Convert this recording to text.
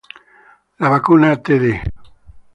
La vacuna Td